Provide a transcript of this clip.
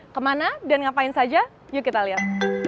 kemana dan ngapain saja yuk kita lihat